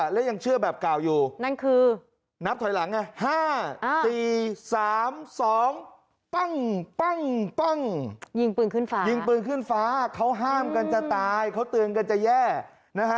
รับบัญชาการกล้ามบนกระจัง